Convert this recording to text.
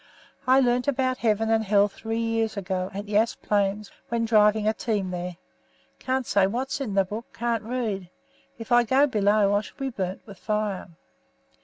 I learnt about heaven and hell about three years ago at Yass plains when driving a team there. Can't say what's in that book; can't read. If I go below, I shall be burned with fire."